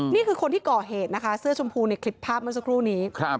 นี่คือคนที่ก่อเหตุนะคะเสื้อชมพูในคลิปภาพเมื่อสักครู่นี้